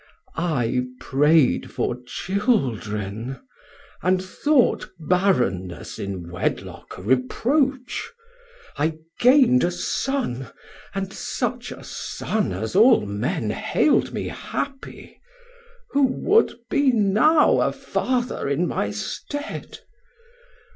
I pray'd for Children, and thought barrenness In wedlock a reproach; I gain'd a Son, And such a Son as all Men hail'd me happy; Who would be now a Father in my stead?